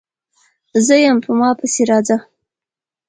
_زه يم، په ما پسې راځه!